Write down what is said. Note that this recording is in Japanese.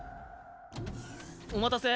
お待たせ。